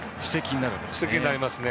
布石になりますね。